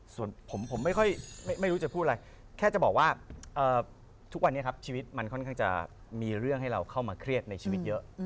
ส่วนผมไม่ค่อยไม่รู้จะพูดอะไรแค่จะบอกว่าทุกวันนี้ครับชีวิตมันค่อนข้างจะมีเรื่องให้เราเข้ามาเครียดในชีวิตเยอะ